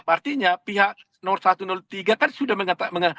artinya pihak satu tiga kan sudah mengatakan